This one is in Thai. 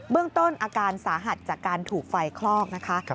เรื่องต้นอาการสาหัสจากการถูกไฟคลอกนะคะ